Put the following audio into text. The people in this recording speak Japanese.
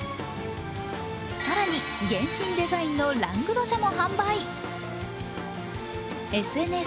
更に、「原神」デザインのラングドシャも販売。